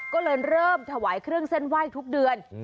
ก็เลยเริ่มถวายเครื่องเส้นไหว้ทุกเดือน